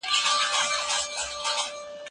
خپل لاسونه په صابون سره پاک کړئ.